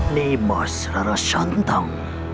nih mas rara santang